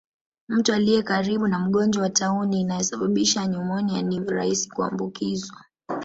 Mtu aliyekaribu na mgonjwa wa tauni inayosababisha nyumonia ni rahisi kuambukizwa